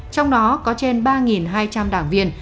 trong đó có trên ba hai trăm linh đảng viên